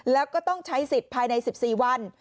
แล้วก็ต้องใช้สิทธิ์ภายใน๑๔วัน